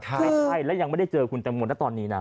ไม่ใช่แล้วยังไม่ได้เจอคุณแตงโมนะตอนนี้นะ